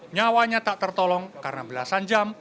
nyawanya tak tertolong karena belasan jam